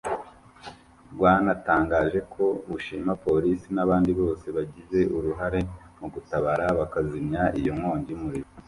Bwanatangaje ko bushima Polisi n’abandi bose bagize uruhare mu gutabara bakazimya iyo nkongi y’umuriro